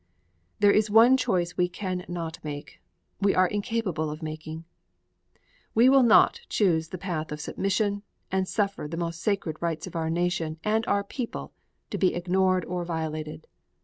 There is one choice we can not make, we are incapable of making; we will not choose the path of submission and suffer the most sacred rights of our nation and our people to be ignored or violated.